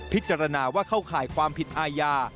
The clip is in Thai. พิจารณาว่าเข้าข่ายความผิดอาญา